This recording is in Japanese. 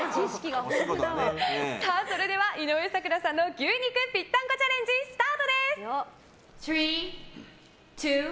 それでは井上咲楽さんの牛肉ぴったんこチャレンジスタートです。